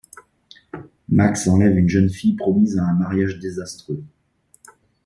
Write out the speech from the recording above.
Max enlève une jeune fille promise à un mariage désastreux.